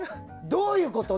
どういうこと？